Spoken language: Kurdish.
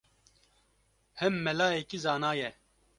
Him melayekî zana ye